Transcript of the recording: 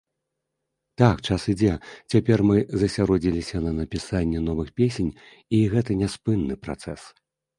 Так, час ідзе, цяпер мы засяродзіліся на напісанні новых песень, і гэта няспынны працэс.